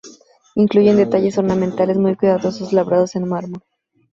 Incluyen detalles ornamentales muy cuidados labrados en mármol.